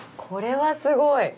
これはすごい！